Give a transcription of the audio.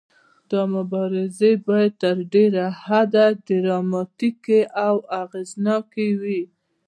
دا مبارزې باید تر ډیره حده ډراماتیکې او اغیزناکې وي.